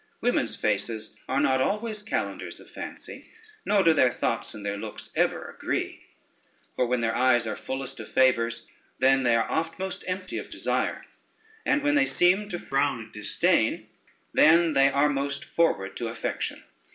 Women's faces are not always calendars of fancy, nor do their thoughts and their looks ever agree; for when their eyes are fullest of favors, then are they oft most empty of desire; and when they seem to frown at disdain, then are they most forward to affection.